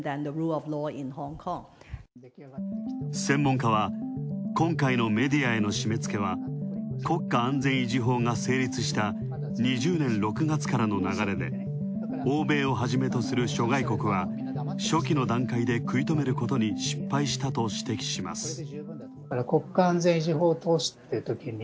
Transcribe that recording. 専門家は今回のメディアへの締め付けは国家安全維持法が成立した２０年６月からの流れで、欧米をはじめとする諸外国は初期の段階で食い止めることに失敗したと指摘します。